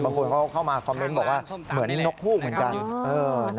บางคนเขาเข้ามาคอมเมนต์บอกว่าเหมือนนกฮูกเหมือนกัน